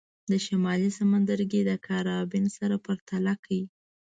د شمالي سمندرګي د کارابین سره پرتله کړئ.